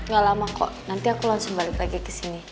gak lama kok nanti aku langsung balik lagi kesini